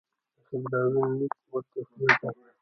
د صدراعظم لیک ور تسلیم کړ.